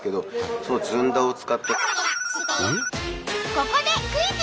ここでクイズ！